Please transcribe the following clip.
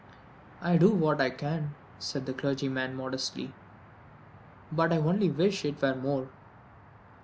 "I do what I can," said the clergyman modestly; "but I only wish it were more.